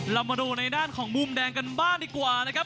เรามาดูในด้านของมุมแดงกันบ้างดีกว่านะครับ